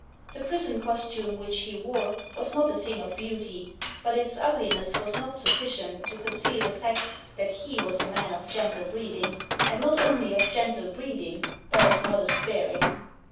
The prison costume which he wore was not a thing of beauty, but its ugliness was not sufficient to conceal the fact that he was a man of gentle breeding, and not only of gentle breeding, but of modest bearing.